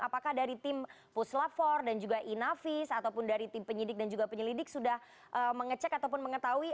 apakah dari tim puslap empat dan juga inavis ataupun dari tim penyidik dan juga penyelidik sudah mengecek ataupun mengetahui